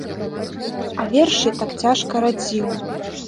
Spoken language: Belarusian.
А вершы так цяжка радзіў.